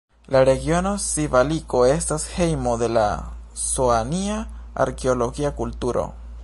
La regiono Sivaliko estas hejmo de la Soania arkeologia kulturo.